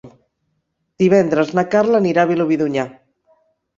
Divendres na Carla anirà a Vilobí d'Onyar.